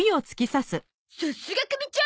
さすが組長！